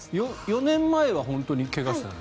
４年前は本当に怪我をしてたの？